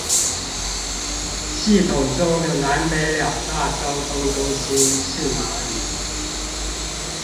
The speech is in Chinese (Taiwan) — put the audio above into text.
系統中的南北二大交通中心是哪裏？